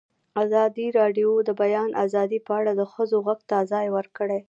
ازادي راډیو د د بیان آزادي په اړه د ښځو غږ ته ځای ورکړی.